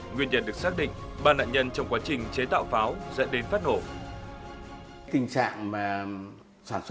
nguyên nhân được xác định ba nạn nhân trong quá trình chế tạo pháo dẫn đến phát nổ